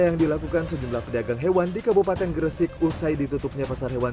yang dilakukan sejumlah pedagang hewan di kabupaten gresik usai ditutupnya pasar hewan